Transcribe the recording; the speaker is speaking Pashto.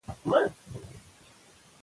ماسوم چې ارزښت ومومي یوازې نه پاتې کېږي.